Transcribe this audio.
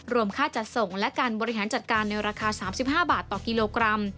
ค่าจัดส่งและการบริหารจัดการในราคา๓๕บาทต่อกิโลกรัม